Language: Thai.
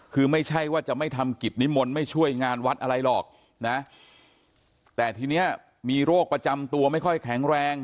คือไม่ใช่ว่าจะไม่ทำกิจนิมนต์ไม่ช่วยงานวัดอะไรหรอกนะแต่ทีนี้มีโรคประจำตัวไม่ค่อยแข็งแรง